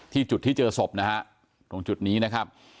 จุดที่เจอศพนะฮะตรงจุดนี้นะครับ